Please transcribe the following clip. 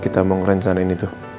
kita mau ngerencanain itu